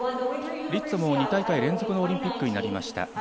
リッツォも２大会連続のオリンピックとなりました。